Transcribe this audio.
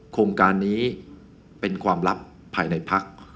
โครงการนี้เป็นความลับภายในพัก